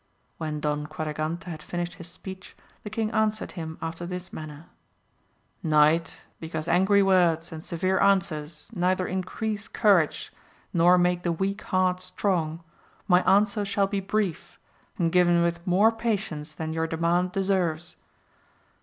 When Don Quadragante had finished his speech, the king answered him after this manner, Knight because angry words and severe answers neither increase courage, nor make the weak heart strong, my answer shall be brief, and given with more patience than your demand deserves.